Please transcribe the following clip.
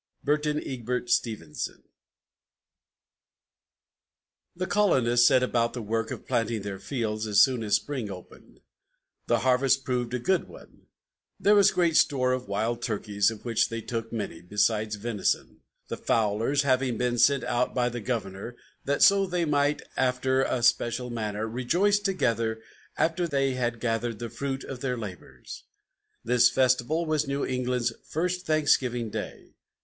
BURTON EGBERT STEVENSON. The colonists set about the work of planting their fields as soon as spring opened. The harvest proved a good one; "there was great store of wild turkeys, of which they took many, besides venison," the fowlers having been sent out by the governor, "that so they might, after a special manner, rejoice together after they had gathered the fruit of their labors." This festival was New England's "First Thanksgiving Day."